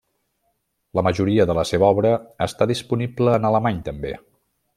La majoria de la seva obra està disponible en alemany també.